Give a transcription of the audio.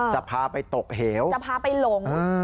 จะพาไปตกเหวจะพาไปหลง